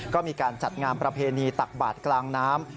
ก็มีการจัดงานประเพณีตักบาทกลางน้ำ